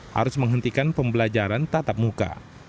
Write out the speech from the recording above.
harus menghentikan pembelajaran tatap muka